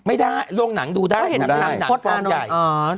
ไม่ได้ลงหนังดูได้ถ้าเห็นลงหนังหนังควบความใหญ่